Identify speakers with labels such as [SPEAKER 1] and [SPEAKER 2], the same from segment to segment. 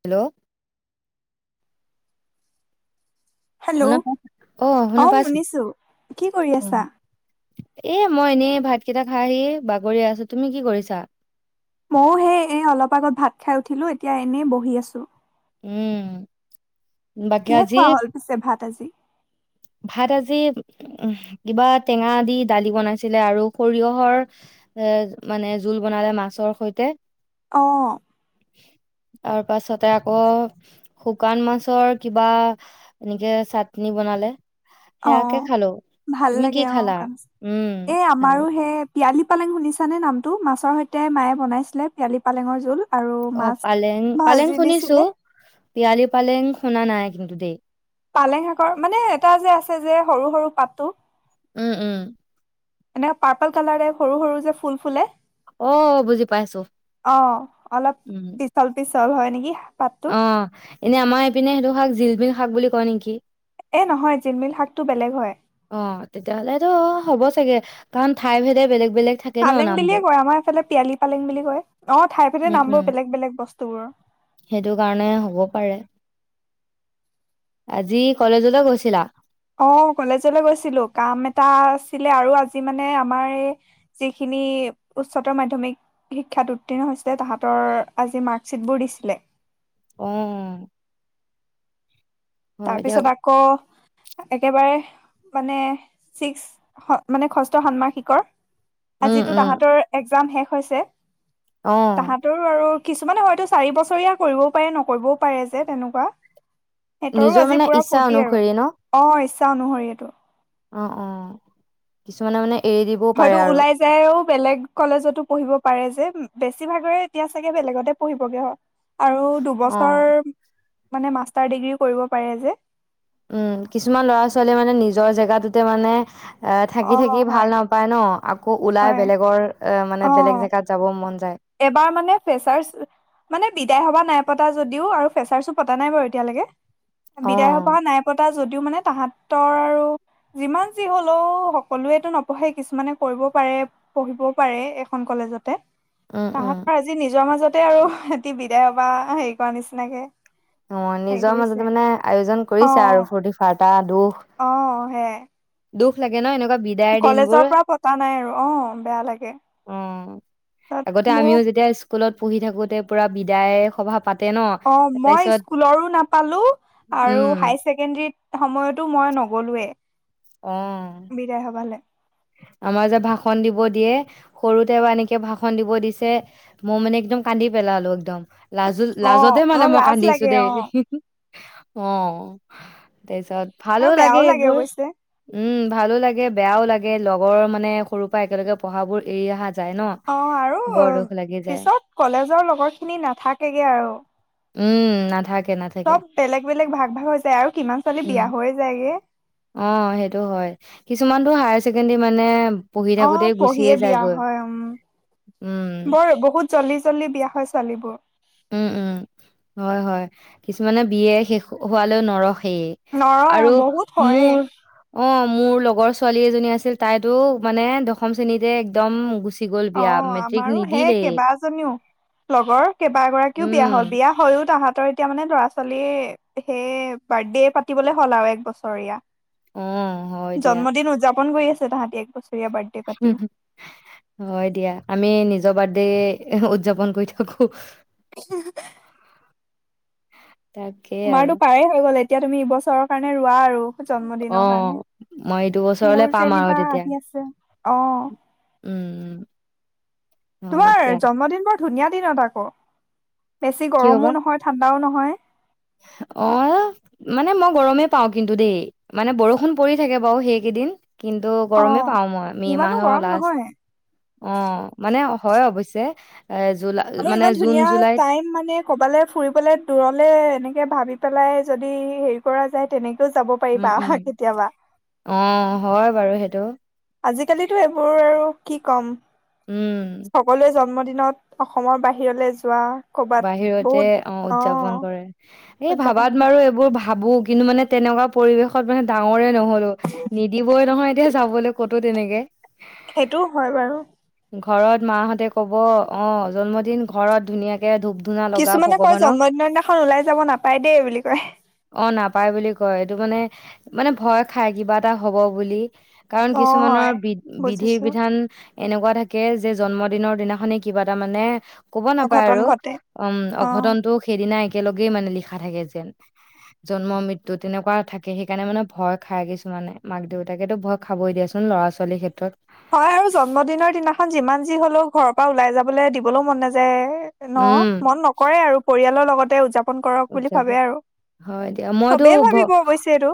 [SPEAKER 1] Hello
[SPEAKER 2] hello
[SPEAKER 1] শুনা পাই শুনা
[SPEAKER 2] অ
[SPEAKER 1] পাইছো
[SPEAKER 2] শুনিছো। কি কৰি আছা?
[SPEAKER 1] এ মই এনেই ভাত কেইটা খাই আহি বাগৰিয়ে আছো। তুমি কি কৰিছা?
[SPEAKER 2] মইয়ো সেই এ অলপ আগত ভাত খাই উঠিলো এতিয়া এনেই বহি আছো।
[SPEAKER 1] উম বাকী
[SPEAKER 2] কিহে
[SPEAKER 1] আজি
[SPEAKER 2] খোৱা হ'ল পিছে ভাত আজি?
[SPEAKER 1] ভাত আজি উ কিবা টেঙা দি দালি বনাইছিলে আৰু সৰিয়হৰ এ মানে জোল বনালে মাছৰ সৈতে।
[SPEAKER 2] অঁ
[SPEAKER 1] তাৰ পাছতে আকৌ শুকান মাছৰ কিবা এনেকে চাটনি বনালে।
[SPEAKER 2] অ
[SPEAKER 1] সেয়াকে খালো
[SPEAKER 2] ভাল
[SPEAKER 1] তুমি কি
[SPEAKER 2] লাগে অ
[SPEAKER 1] খালা
[SPEAKER 2] কামচে
[SPEAKER 1] উম
[SPEAKER 2] এ
[SPEAKER 1] ভালে
[SPEAKER 2] আমাৰো হে পিয়ালি পালেং শুনিছা নে নামটো মাছৰ সৈতে মায়ে বনাইছিলে পিয়ালি পালেঙৰ জোল আৰু
[SPEAKER 1] অ
[SPEAKER 2] মাছ
[SPEAKER 1] পালেং পালেং
[SPEAKER 2] ভাজি
[SPEAKER 1] শুনিছো
[SPEAKER 2] দিছিলে
[SPEAKER 1] পিয়ালি পালেং শুনা নাই। কিন্তু দেই
[SPEAKER 2] পালেং শাকৰ মানে এটা যে আছে যে সৰু সৰু পাততো
[SPEAKER 1] উম উম
[SPEAKER 2] এনেকে পাৰ্পল কালাৰে সৰু সৰু যে ফুল ফুলে
[SPEAKER 1] অ বুজি পাইছো উম
[SPEAKER 2] চব হয় নেকি পাতটো
[SPEAKER 1] অ এনে আমাৰ এইপিনে সেইটো শাক জিলমিল শাক বুলি কয় নেকি
[SPEAKER 2] এ নহয় জিলমিল শাকটো বেলেগ হয়
[SPEAKER 1] অ তেতিয়াহলেতো হ'ব চাগে কাৰণ ঠাই ভেদে বেলেগ বেলেগ থাকে ন
[SPEAKER 2] পালেং বুলিয়ে
[SPEAKER 1] নামবোৰ
[SPEAKER 2] কয় আমাৰ এইফালে পিয়ালি পালেং বুলি কয় অ ঠাই ভেদে
[SPEAKER 1] উম
[SPEAKER 2] নাম
[SPEAKER 1] উম
[SPEAKER 2] বাৰ বেলেগ বেলেগ বস্তুবোৰ
[SPEAKER 1] সেইটো কাৰণে হব পাৰে। আজি কলেজলে গৈছিলা?
[SPEAKER 2] অ কলেজলৈ গৈছিলো কাম এটা আছিলে আৰু আজি মানে আমাৰ এই যিখিনি উচ্চতৰ মাধ্যমিক শিক্ষাত উত্তীৰ্ণ হৈছিলে তাহাঁতৰ আজি মাৰ্কশ্বিটবোৰ দিছিলে।
[SPEAKER 1] উম
[SPEAKER 2] তাৰপিছত আকৌ একেবাৰে মানে চিক্স মানে ষষ্ঠ ষান্মাসিকৰ
[SPEAKER 1] উম
[SPEAKER 2] আজিতো
[SPEAKER 1] উম
[SPEAKER 2] তাহতৰ এক্সজাম শেষ হৈছে
[SPEAKER 1] অ
[SPEAKER 2] তাহাঁতৰো আৰু কিছুমানে হয়তো চাৰি বছৰীয়া কৰিবও পাৰে নকৰিবও পাৰে যে তেনেকুৱা সিহঁতৰো
[SPEAKER 1] নিজৰ
[SPEAKER 2] আজি
[SPEAKER 1] মানে
[SPEAKER 2] পুৰা
[SPEAKER 1] ইচ্ছা
[SPEAKER 2] ফূৰ্তি আৰু
[SPEAKER 1] অনুসৰি ন
[SPEAKER 2] অ ইচ্ছা অনুসৰি এইটো।
[SPEAKER 1] অ', অ', কিছুমানে মানে এৰি দিবও পাৰে
[SPEAKER 2] হয়তটো
[SPEAKER 1] আৰু
[SPEAKER 2] ওলাই যায়ও বেলেগ কলেজতো পঢ়িব। পাৰে যে বেছি ভাগৰে এতিয়া চাগে বেলেগতে পঢ়িবগে হয়। আৰু
[SPEAKER 1] অ
[SPEAKER 2] দুবছৰ মান মাষ্টাৰ ডিগ্ৰী কৰিব পাৰি যে
[SPEAKER 1] উম, কিছুমান ল'ৰা ছোৱালীয়ে মানে নিজৰ জেগাটোতে মানে এ থাকি
[SPEAKER 2] অ
[SPEAKER 1] থাকি
[SPEAKER 2] হয়
[SPEAKER 1] ভাল নাপায় ন' আকৌ ওলাই
[SPEAKER 2] হয়
[SPEAKER 1] বেলেগৰ এ
[SPEAKER 2] অ
[SPEAKER 1] মানে বেলেগ জেগাত যাব মন যায়।
[SPEAKER 2] এবাৰ মানে ফেচাৰ মানে বিদায় সভা নাই পতা যদিও আৰু ফেচাৰছো পতা নাই বাৰু এতিয়ালৈকে।
[SPEAKER 1] অ
[SPEAKER 2] বিদায় সভা নাই পতা। যদিও মানে তাহতৰ আৰু যিমান যি হ'লেও সকলোৱেটো নপঢ়ে কিছুমানে কৰিব পাৰে পঢ়িবও পাৰে এখন কলেজতে।
[SPEAKER 1] উম
[SPEAKER 2] তাহাত
[SPEAKER 1] উম
[SPEAKER 2] পৰা আজি নিজৰ মাজত ততে আৰু সহতি বিদায় সভা হেৰি কৰা নিচিনাকে
[SPEAKER 1] অ',
[SPEAKER 2] হেৰি
[SPEAKER 1] নিজৰ
[SPEAKER 2] কৰিছে
[SPEAKER 1] মাজতে মানে আয়োজন কৰিছে আৰু ফূুৰ্তি ফাৰ্তাদো
[SPEAKER 2] অ'। অ', সে
[SPEAKER 1] দুখ লাগে ন একুৱা
[SPEAKER 2] কলেজৰ পৰা পতা নাই আৰু অ', বেয়া লাগে
[SPEAKER 1] অ আগতে
[SPEAKER 2] তাত মোৰ
[SPEAKER 1] আমিও যেতিয়া স্কুলত পঢ়ি থাকোতে পুৰা বিদায় সভা পাতে ন
[SPEAKER 2] অ', মই
[SPEAKER 1] তাৰপিছত
[SPEAKER 2] স্কুলৰো নাপালো
[SPEAKER 1] উম
[SPEAKER 2] আৰু হায় ছেকেণ্ডৰী সময়তো মই নগলোৱে।
[SPEAKER 1] অ
[SPEAKER 2] বিদায় সভালে
[SPEAKER 1] আমাৰ যে ভাষন দিব দিয়ে সৰুতে এ, বা এনেকে ভাষন দিব দিছে মই মানে একদম কান্দি পেলালো একদম। লাজ
[SPEAKER 2] অ
[SPEAKER 1] লাজতে মানে
[SPEAKER 2] অ
[SPEAKER 1] মই
[SPEAKER 2] লাজ
[SPEAKER 1] কান্দিছো
[SPEAKER 2] লাগে
[SPEAKER 1] দেই।
[SPEAKER 2] অ
[SPEAKER 1] অ'। তাৰপিছত ভালো
[SPEAKER 2] আৰু বেয়াও
[SPEAKER 1] লাগে এইবোৰ
[SPEAKER 2] অৱশ্যে
[SPEAKER 1] উম। ভালো লাগে, বেয়াও লাগে। এ লগৰ মানে সৰুৰ পৰা একেলগে পঢ়া বোৰ এৰি অহা যায় ন
[SPEAKER 2] অ', আৰু
[SPEAKER 1] বৰ দুখ লাগি যায়
[SPEAKER 2] পিছত কলেজৰ লগৰ খিনি নাথাকেগে আৰু।
[SPEAKER 1] উম, নাথাকে নাথাকে
[SPEAKER 2] চব বেলেগ বেলেগ ভাগ ভাগ হৈ যায় আৰু কিমান ছোৱালী
[SPEAKER 1] উম
[SPEAKER 2] বিয়া হৈ যায়গে।
[SPEAKER 1] অ', সেইটো হয় কিছুমানতটো হায়াৰ ছেকেণ্ডাৰী মানে পঢ়ি
[SPEAKER 2] অ',
[SPEAKER 1] থাকোতেই গুচিয়ে
[SPEAKER 2] পঢ়িয়ে বিয়া
[SPEAKER 1] যায়গৈ
[SPEAKER 2] হয় উম,
[SPEAKER 1] উম
[SPEAKER 2] বৰ বহুত জলদি জলদি বিয়া হয় ছোৱালীবোৰ।
[SPEAKER 1] উম, উম, হয়, হয় কিছুমানে বিয়া শেষ হোৱালৈও নৰখ সেইয়
[SPEAKER 2] নৰয়
[SPEAKER 1] আৰু
[SPEAKER 2] বহুত হয়ে
[SPEAKER 1] মোৰ অ'। মোৰ লগৰ ছোৱালী এজনী আছিল তাইতো মানে দশম শ্ৰেণীতে একদম গুচ
[SPEAKER 2] অ আমাৰো হেই কেইবাজনীও লগৰ কেইবা এগৰাকীও বিয়া হল
[SPEAKER 1] উম
[SPEAKER 2] বিয়া হৈ ও তাহাঁত তোৰ এতিয়া মানে ল'ৰা ছোৱালী সেই বাৰ্থডে পাতিবলে হ'ল আৰু এক
[SPEAKER 1] অ হয়
[SPEAKER 2] বছৰীয়া
[SPEAKER 1] দিয়া
[SPEAKER 2] জন্মদিন উদযাপন কৰি আছে তাহাঁতি এক বসু [unintelligible] সেয়া বাৰ্থডে' পাতিও
[SPEAKER 1] হয় দিয়া আমি নিজৰ বাৰ্ডে উদযাপন কৰি থাকো তাকেই আৰু
[SPEAKER 2] তোমাতো পাৰেই হৈ গ'ল এ এতিয়া তুমি এইবছৰৰ কাৰণে ৰোৱা আৰু
[SPEAKER 1] অ
[SPEAKER 2] জন্মদিনৰ কাৰণে
[SPEAKER 1] মই এইটো বছৰলে
[SPEAKER 2] মোৰ
[SPEAKER 1] পাম আৰু
[SPEAKER 2] যেনিবা
[SPEAKER 1] তেতিয়া
[SPEAKER 2] আহি আছে অ
[SPEAKER 1] উম উম হয়
[SPEAKER 2] তোমাৰ
[SPEAKER 1] দিয়া
[SPEAKER 2] জন্মদিন বা ধুনীয়া দিনত আকৌ বেছি
[SPEAKER 1] কি হবা
[SPEAKER 2] গৰমো নহয় ঠাণ্ডাও নহয় হয়
[SPEAKER 1] অ মানে মই গৰমেই পাও কিন্তু দেই মানে বৰষুণ পৰি থাকে বাৰু সেইকেইদিন কিন্তু
[SPEAKER 2] অ
[SPEAKER 1] গৰমেই পাও মই মে
[SPEAKER 2] ইমানো
[SPEAKER 1] মাহৰ
[SPEAKER 2] গৰম
[SPEAKER 1] লাষ্ট
[SPEAKER 2] নহয়
[SPEAKER 1] অ মানে হয় অৱশ্যে এ জুলাই
[SPEAKER 2] আমি
[SPEAKER 1] মানে
[SPEAKER 2] ইমান
[SPEAKER 1] জুন
[SPEAKER 2] ধুনীয়া
[SPEAKER 1] জুলাইত
[SPEAKER 2] টাইম মানে কবালৈ ফুৰিবলে দূৰলে এনে ভাবি পেলাই যদি হেৰি কৰা যায় তেনেক
[SPEAKER 1] উম উম অ হয় বাৰু সেই টো
[SPEAKER 2] আজিকালিতো এইবোৰ আৰু কি কম
[SPEAKER 1] উম।
[SPEAKER 2] সকলোৱে জন্মদিনত অসমৰ বাহিৰলৈ যোৱা কৰ'বাত
[SPEAKER 1] বাহিৰতে
[SPEAKER 2] বহুত
[SPEAKER 1] অ উদযাপন কৰে এই
[SPEAKER 2] উদযাপন
[SPEAKER 1] ভাবাত
[SPEAKER 2] কৰে
[SPEAKER 1] বাৰু এইবোৰ ভাবো কিন্তু মানে তেনেকুৱা পৰিৱেশত মানে ডাঙৰে নহলো নিদিবই নহয় এতিয়া যাবলৈ ক'তো তেনেকে
[SPEAKER 2] সেইটোও হয় বাৰু
[SPEAKER 1] ঘৰত মাহঁতে ক'ব অ জন্মদিন ঘৰত ধুনীয়া কে ধো
[SPEAKER 2] কিছুমানে কয় জন্মদিনৰ দিনাখন ওলাই যাব নাপায় দেই বুলি কয়
[SPEAKER 1] অ', নাপায় বুলি কয় এইটো মানে মানে ভয় খাই কিবা এটা হ'ব বুলি কাৰণ
[SPEAKER 2] অ
[SPEAKER 1] কিছুমানৰ
[SPEAKER 2] হয়
[SPEAKER 1] বি বিধি
[SPEAKER 2] বুজিছো
[SPEAKER 1] বিধান এনেকুৱা থাকে কে যে জন্মদিনৰ দিনাখনে কিবা এটা মানে ক'ব নাপায়
[SPEAKER 2] অঘটন
[SPEAKER 1] আৰু
[SPEAKER 2] ঘটে
[SPEAKER 1] উম
[SPEAKER 2] অ
[SPEAKER 1] অঘটন টো সেইদিনা একেলগেই মানে লিখা নাথাকে যেন জন্ম মৃত্যু তেনেকুৱা থাকে সেইকাৰণে মানে ভয় খায় কিছুমানে মাক দেউতাকেতো ভয় খাবই দিয়াচোন ল'ৰা ছোৱালীৰ ক্ষেত্ৰত
[SPEAKER 2] হয় আৰু জন্মদিনৰ দিনাখন যিমান যি হলেও ঘৰৰ পৰা ওলাই যাবলৈ দিবলৈও মন নাযায়, ন
[SPEAKER 1] উম,
[SPEAKER 2] মন নকৰে আৰু পৰিয়ালৰ লগত যাব
[SPEAKER 1] উত যাব হয় দিয়া মইতো
[SPEAKER 2] চবেই ভাবিব অৱশ্যে এইটো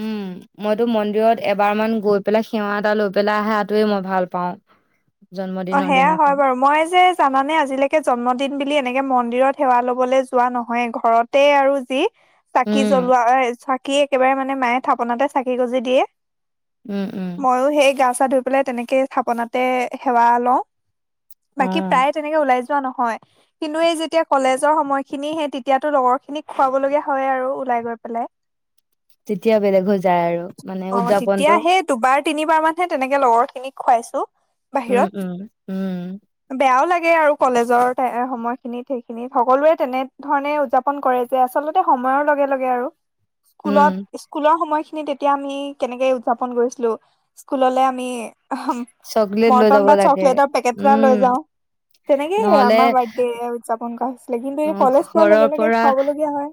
[SPEAKER 1] উম মইতো মন্দিৰত এবাৰ মান গৈ পেলাই সেৱা এটা লৈ পেলাই আহে তটোৱে মই ভাল পাওঁ।
[SPEAKER 2] অ
[SPEAKER 1] জন্মদিনৰ
[SPEAKER 2] সেয়া হয়
[SPEAKER 1] দিনাখন।
[SPEAKER 2] বাৰু মই যে জানানে আজিলৈকে জন্মদিন বুলি এনেকে মন মন্দিৰত সেৱা লবলৈ যোৱা নহয় ঘৰতে আৰু যি চাকি
[SPEAKER 1] উম,
[SPEAKER 2] জ্বলোৱা চা কি একেবাৰে মানে মায়ে থাপনাতে চাকি গজি দিয়ে
[SPEAKER 1] উম, উম,
[SPEAKER 2] ময়ো সেই গছ ধুই পেলাই তেনেকে স্থাপনাতে সেৱা লওঁ। বাকী
[SPEAKER 1] অ',
[SPEAKER 2] প্ৰায়ে তেনেকে ওলাই যো ৱা নহয় কিন্তু এই যেতিয়া কলেজৰ সময় খিনি হে তেতিয়াটো লগৰ খিনিক খুৱাব লগীয়া হয় আৰু ওলাই গৈ পেলাই।
[SPEAKER 1] তেতিয়া বেলেগ হৈ যায় আৰু মানে
[SPEAKER 2] অ তেতিয়া
[SPEAKER 1] উদযাপনটো
[SPEAKER 2] সেই তোবাৰ, তিনিবাৰ মানহে তেনেকে লগৰ খিনিক খুৱাইছো।
[SPEAKER 1] উম,
[SPEAKER 2] বাহিৰত
[SPEAKER 1] উম, উম,
[SPEAKER 2] বেয়াও লাগে গে আৰু কলেজৰ সময়খিনিত সেইখিনিত সকলোে তেনেধৰণে উদযাপন কৰে যে আচলতে সময়ৰ লগে লগে আৰু
[SPEAKER 1] উম,
[SPEAKER 2] স্কুলত স্কুলৰ সময় খি নিত এতিয়া আমি কেনেকে উদযাপন কৰিছিলো স্কুললে আমি
[SPEAKER 1] চকলেট লৈ
[SPEAKER 2] মটন
[SPEAKER 1] যাব
[SPEAKER 2] বা
[SPEAKER 1] লাগে
[SPEAKER 2] চকলেটৰ পেকেট এটা
[SPEAKER 1] উম,
[SPEAKER 2] লৈ যাও তেনেকে
[SPEAKER 1] নহ'লে
[SPEAKER 2] আমাৰ বাৰ্থডে উদযাপন কৰা হৈছে। কিন্তু এতিয়া
[SPEAKER 1] অ',
[SPEAKER 2] কলেজ পোৱাৰ
[SPEAKER 1] ঘৰৰ
[SPEAKER 2] লগে লগে
[SPEAKER 1] পৰা
[SPEAKER 2] খুৱাবলগীয়া হয়।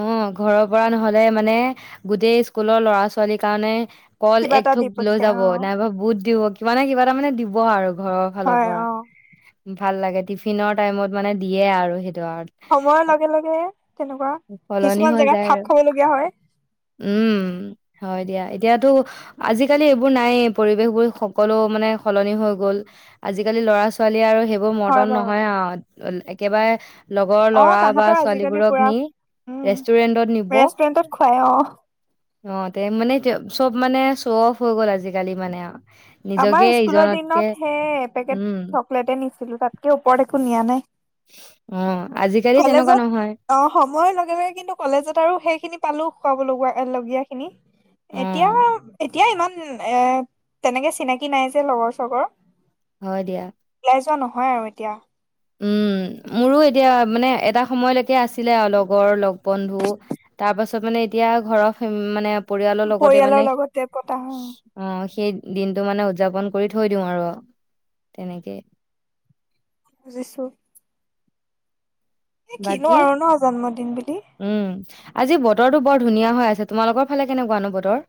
[SPEAKER 1] অ ঘৰৰ পৰা নহলে মানে গোটেই স্কুলৰ ল'ৰা ছোৱালীৰ কাৰণে কল
[SPEAKER 2] কিবা এটা দি
[SPEAKER 1] একথোক লৈ
[SPEAKER 2] পঠিয়াই
[SPEAKER 1] যাব
[SPEAKER 2] অ
[SPEAKER 1] নাইবা বুট দিব কিবা নহয় কিবা মানে দিব উপহাৰ ঘৰৰ ফালৰ
[SPEAKER 2] হয় অ
[SPEAKER 1] পৰা ভাল লাগে টিফিনৰ টাইমত মানে দিয়ে আৰু সেইটো আৰু
[SPEAKER 2] সময়ৰ লগে লগে তেনেকুৱা
[SPEAKER 1] সলনি
[SPEAKER 2] কিছুমান
[SPEAKER 1] হৈ
[SPEAKER 2] জেগাত
[SPEAKER 1] যায়
[SPEAKER 2] খাপ
[SPEAKER 1] আৰু
[SPEAKER 2] খাবলগীয়া হয়
[SPEAKER 1] উম হয় দিয়া। এতিয়াতো আজিকালি এইবোৰ নাইেই পৰিৱেশবোৰ সকলো মানে সলনি হৈ গ'ল আজিকালি ল'ৰা ছোৱালী আৰু সেইবোৰ
[SPEAKER 2] হয়
[SPEAKER 1] মডন
[SPEAKER 2] বাৰু
[SPEAKER 1] নহয় আ একেবাৰে লগৰ
[SPEAKER 2] অ
[SPEAKER 1] ল'ৰা বা
[SPEAKER 2] তাহাঁতৰ আজিকালি
[SPEAKER 1] ছোৱালীবোৰক
[SPEAKER 2] পুৰা
[SPEAKER 1] নি
[SPEAKER 2] উম
[SPEAKER 1] ৰেষ্টুৰেন্টত নিব অ
[SPEAKER 2] ৰেষ্টুৰেন্টত খুৱাই অ
[SPEAKER 1] তে মানে চব মানে শ্বফ হৈ গ'ল আজিকালি মানে আৰু
[SPEAKER 2] আমাৰ স্কুলৰ দিনত হে এপেকেট
[SPEAKER 1] উম,
[SPEAKER 2] চকলেটে নিছ- ছিলো তাতকে ওপৰত একো নিয়া নাই।
[SPEAKER 1] অ' আজিকালি তেনেকুৱা
[SPEAKER 2] কলেজত
[SPEAKER 1] নহয়।
[SPEAKER 2] অ সময়ৰ লগে লগে কিন্তু কলেজত আৰু সেইখিনি পালো। খুৱাব লগোৱা এ লগীয়া খিনি
[SPEAKER 1] অ'
[SPEAKER 2] এতিয়া এতিয়া ইমান এ তেনেকে চিনাকি নাই যে লগৰ চগৰ
[SPEAKER 1] হয় দিয়া।
[SPEAKER 2] হয় আৰু এতিয়া
[SPEAKER 1] উম মোৰো এতিয়া মানে এটা সময়লৈকে আছিলে আৰু লগৰ লগ বন্ধু তাৰ পাছত মানে এতিয়া ঘৰৰ ফে মানে পৰিয়ালৰ লগতে মানে
[SPEAKER 2] লগতে পতা হয়
[SPEAKER 1] অ সেই দিনটো মানে উদযাপন কৰি থৈ দিওঁ আৰু তেনেকেই।
[SPEAKER 2] জিছো এ কিনো
[SPEAKER 1] বাকী
[SPEAKER 2] আৰু ন জন্মদিন বুলি
[SPEAKER 1] উম, আজি বতৰটো বৰ ধুনীয়া হৈ আছে। তোমালোকৰ ফালে কেনেকুৱানো বতৰ?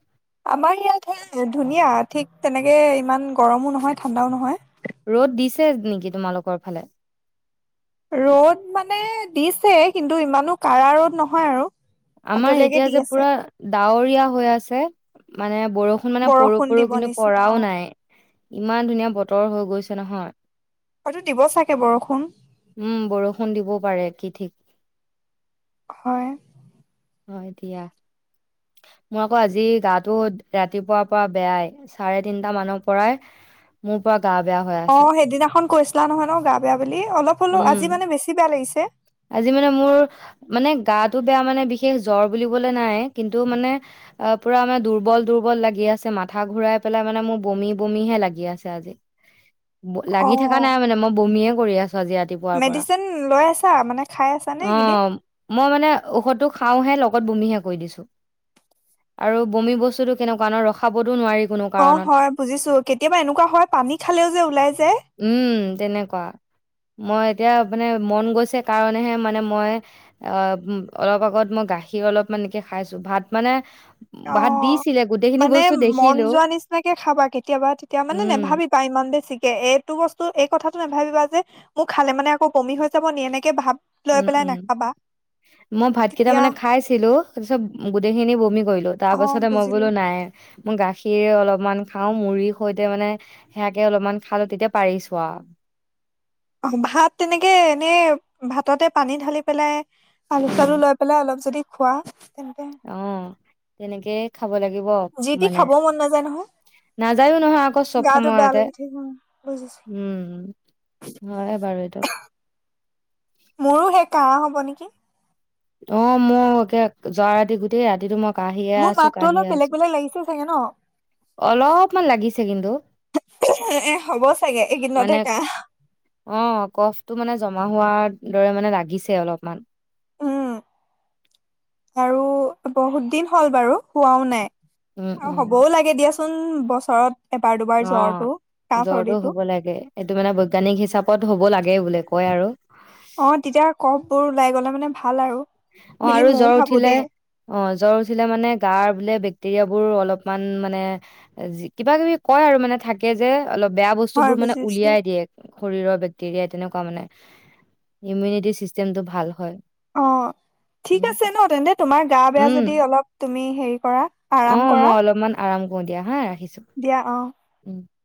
[SPEAKER 2] আমাৰ ইয়াত ধুনীয়া ঠিক তেনেকে ইমান গৰমো নহয় ঠাণ্ডাও নহয়।
[SPEAKER 1] ৰ'দ দিছে নেকি তোমালোকৰ ফালে
[SPEAKER 2] ৰ'দ মানে দিছে কিন্তু ইমানো ক়াৰা ৰ'দ নহয় আৰু
[SPEAKER 1] আমাৰ
[SPEAKER 2] পাতলীয়াকে
[SPEAKER 1] এতিয়া
[SPEAKER 2] দি
[SPEAKER 1] যে
[SPEAKER 2] আছে
[SPEAKER 1] পুৰা ডাৱৰ ৰীয়া হৈ আছে মানে ব- বৰষুণ মানে পৰু পৰু
[SPEAKER 2] দিব
[SPEAKER 1] কিন্তু
[SPEAKER 2] নিচিনা
[SPEAKER 1] পৰাও
[SPEAKER 2] অ
[SPEAKER 1] নাই ইমান ধুনীয়া বতৰ হৈ গৈছে নহয়
[SPEAKER 2] হয়তো দিব চাগে বৰষুণ
[SPEAKER 1] উম বৰষুণ দিবও পাৰে কি ঠিক
[SPEAKER 2] হয়
[SPEAKER 1] হয় দিয়া। মই আকৌ আজি গাটো ৰাতিপুৱাৰ পৰা বেয়াই চাৰে তিনটা মানৰ পৰাই মোৰ পুৰা- গা বেয়া হৈ আছে
[SPEAKER 2] অ', সেইদিনাখন কৈছিলা নহয় ন', গা -বেয়া বুলি অলপ হলো
[SPEAKER 1] উম,
[SPEAKER 2] আজি মানে বেছি বেয়া লাগিছে?
[SPEAKER 1] আজি মানে মোৰ মানে গাটো বেয়া মানে বিশেষ জ্বৰ বুলিবলে নাই কিন্তু মানে পুৰা মানে দুৰ্বল -দুৰ্বল লাগি আছে মাথা ঘূৰাই পেলাই মানে মোৰ বমি -বমিহে লাগি আছে আজি।
[SPEAKER 2] অ
[SPEAKER 1] লাগি থাকা নাই মানে মই বমীয়ে, পৰি আছ
[SPEAKER 2] মেডিচিন লৈ আছা? কোৱা মানে খাই আছানে
[SPEAKER 1] অ
[SPEAKER 2] এইকেইদিন?
[SPEAKER 1] মই মানে ঔষধটো খাওঁহে লগত বমিহে কৰি দিছো আৰু বমি বস্তুতটো কেনেকুৱা ন', ৰখাব,
[SPEAKER 2] অ', হয় বুজিছো কেতিয়াবা এনেকুৱা হয় পানী খালেও যে ওলাই যে,
[SPEAKER 1] উম তেনেকুৱা মই এতিয়া মানে মন গৈছে, সেই কাৰণেহে মানে মই অ', অলপ আগত মই গাখীৰ অলপ মানকে খাইছো। ভাত মানে ভাত
[SPEAKER 2] অ',
[SPEAKER 1] দিছিলে গোটেইখিনি
[SPEAKER 2] মানে
[SPEAKER 1] বস্তু
[SPEAKER 2] মন
[SPEAKER 1] দেখিলো
[SPEAKER 2] যোৱা নিচিনাকে খাবা কেতিয়াবা, তেতিয়া মানে
[SPEAKER 1] উম
[SPEAKER 2] নেভাবিবা ইমান বেছিকে এইটো বস্তু এই কথাাতটো নাভাবিবা, যে -মোক খালে মানে আকৌ কমি হৈ যাব নি এনেকে ভাব,
[SPEAKER 1] উম-উম মই ভাতকেইটা
[SPEAKER 2] তেতিয়া
[SPEAKER 1] মানে খাইছিলো চব গোদেইখিনি বমি, কৰিলো তাৰ
[SPEAKER 2] অ
[SPEAKER 1] পাছতে মই
[SPEAKER 2] বুজিলো
[SPEAKER 1] বোলো নাই, মই গাখীৰৰে অলপমান খাওঁ মুড়িৰ সৈতে মানে সেয়াকে অলপমান খালো তেতিয়া পাৰিছো আৰু
[SPEAKER 2] অ ', ভাত তেনেকে এনেই ভাততে পানী ঢালি পেলাই আলু -চালু লৈ পেলাই অলপ যদি, খোৱা, তেন্তে
[SPEAKER 1] অহ, ' তেনেকে খাব লাগে। দিব
[SPEAKER 2] যি টি
[SPEAKER 1] মানে
[SPEAKER 2] খাবও মন নাযায় নহয়
[SPEAKER 1] নাযায়ো নহয় আকৌ চব
[SPEAKER 2] গাটো বেয়া
[SPEAKER 1] সময়তে
[SPEAKER 2] লাগি থাকে উম, বুজিছো
[SPEAKER 1] উম', হয় বাৰু এইটো,
[SPEAKER 2] মোৰো সেই কাহ হ'ব নেকি।
[SPEAKER 1] অ', মোৰ একে যোৱা ৰাতি গোটেই ৰাতিটো মই, কাহিয়ে
[SPEAKER 2] মোৰ
[SPEAKER 1] আছো
[SPEAKER 2] মাতটো
[SPEAKER 1] কাহিয়ে
[SPEAKER 2] অলপ বেলেগ
[SPEAKER 1] আছো
[SPEAKER 2] -বেলেগ লাগিছে চাগে ন
[SPEAKER 1] অলপমান লাগিছে কিন্তু
[SPEAKER 2] ', এ, হব চাগে
[SPEAKER 1] মানে
[SPEAKER 2] এইকেইদিনতে কাহ।
[SPEAKER 1] অ কফটো মানে জমা হোৱাৰ দৰে মানে লাগিছে অলপমান।
[SPEAKER 2] উম', আৰু বহুত দিন হ'ল বাৰু সোৱাও নাই।
[SPEAKER 1] উম
[SPEAKER 2] অ',
[SPEAKER 1] উম
[SPEAKER 2] হ'বও লাগে দিয়াচোন। কোন বছৰত? এবাৰ দুবাৰ জ্বৰটো
[SPEAKER 1] অ',
[SPEAKER 2] কাহ
[SPEAKER 1] জ্বৰটো
[SPEAKER 2] চৰ্দিটো
[SPEAKER 1] হ'ব লাগে এইটো মানে বৈজ্ঞানিক হিচাপত হ'ব লাগে। লাগে বোলে কয় আৰু,
[SPEAKER 2] অ', তেতিয়া কফ বোৰ ওলাই গলে মানে ভাল আৰু।
[SPEAKER 1] অহ ',
[SPEAKER 2] বুলি
[SPEAKER 1] আৰু
[SPEAKER 2] ময়ও
[SPEAKER 1] জ্বৰ
[SPEAKER 2] ভাবো
[SPEAKER 1] উঠিলে
[SPEAKER 2] দেই
[SPEAKER 1] অ', জ্বৰ উঠিলে মানে গাৰ বোলে বেক - টেৰীয়া বোৰ অলপমান মানে কিবা -কিবি কয় আৰু মানে থাকে যে, অলপ বেয়া বস্তু
[SPEAKER 2] হয়
[SPEAKER 1] বোৰ মানে
[SPEAKER 2] বুজিছো
[SPEAKER 1] উলিয়াই দিয়ে শৰীৰৰ বেক্টেৰিয়াই। তেনেকুৱা মানে, ইমিউনিটি চিষ্টেমটো ভাল হয়।
[SPEAKER 2] অ', ঠিক
[SPEAKER 1] উম
[SPEAKER 2] আছে ন তেন্তে তোমাৰ গা বেয়া যদি
[SPEAKER 1] উম,
[SPEAKER 2] অলপ তুমি হেৰি কৰা আৰাম
[SPEAKER 1] অ' মই
[SPEAKER 2] কৰা।
[SPEAKER 1] অলপমান আৰাম কৰো দিয়া হা,,
[SPEAKER 2] দিয়া অ
[SPEAKER 1] উম।